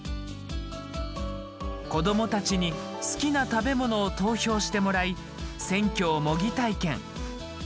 子どもたちに好きな食べ物を投票してもらい選挙を模擬体験。